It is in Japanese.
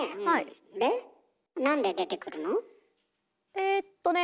えっとねえ。